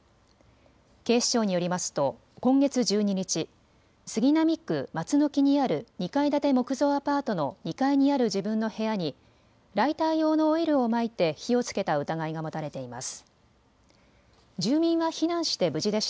警視庁によりますと今月１２日、杉並区松ノ木にある２階建て木造アパートの２階にある自分の部屋にライター用のオイルをまいて火をつけた疑いが持たれています。